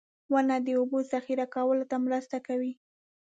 • ونه د اوبو ذخېره کولو ته مرسته کوي.